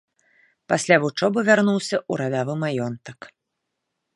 Пасля вучобы вярнуўся ў радавы маёнтак.